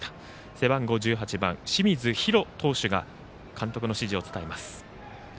背番号１８番、清水陽路投手が監督の指示を伝えます。